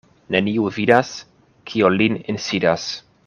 Neniu vidas, kio lin insidas.